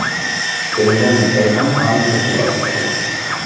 بىلدىم، رەيھان خانىم ئېسىل ئايال ئىكەن.